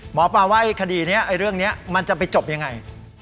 หมอปะว่าไอ้คดีนี้ลงไปจบยังไง